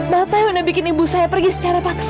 bapak yang udah bikin ibu saya pergi secara paksa